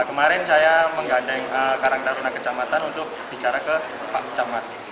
kemarin saya menggandeng karang taruna kecamatan untuk bicara ke pak camat